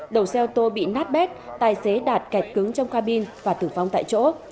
đầu xe ô tô bị nát bét tài xế đạt kẹt cứng trong cabin và tử vong tại chỗ